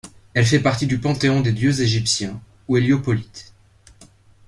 Elle fait partie du panthéon des dieux égyptiens, ou Héliopolites.